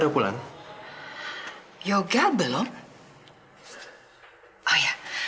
gak usah gak usah